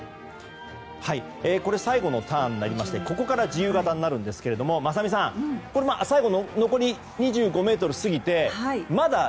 最後のターンでここから自由形になるんですが雅美さん最後の残り２５ｍを過ぎてまだ。